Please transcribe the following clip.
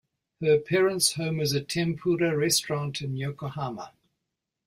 Her parents' home is a tempura restaurant in Yokohama.